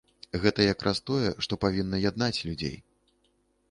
Гэта як раз тое, што павінна яднаць людзей.